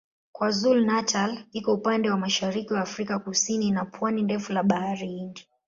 KwaZulu-Natal iko upande wa mashariki wa Afrika Kusini ina pwani ndefu la Bahari Hindi.